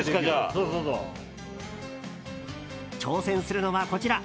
挑戦するのは、こちら。